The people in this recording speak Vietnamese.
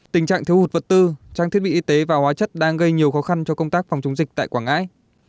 tình trạng thiếu hụt vật tư trang thiết bị y tế và hóa chất đang gây nhiều khó khăn cho công tác phòng chống dịch tại quảng ngãi